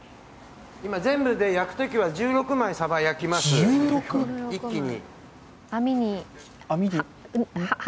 今、全部で焼くときは１６枚、サバを焼きます、一気に。